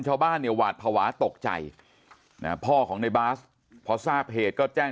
ชาวบ้านเนี่ยหวาดภาวะตกใจพ่อของในบาสพอทราบเหตุก็แจ้ง